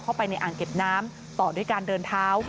เข้าไปในอ่างเก็บน้ำต่อด้วยการเดินเท้า